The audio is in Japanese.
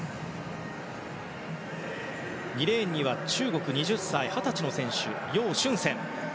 ２レーンには中国、二十歳の選手ヨウ・シュンセン。